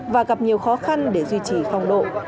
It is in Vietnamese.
và gặp nhiều khó khăn để duy trì phong độ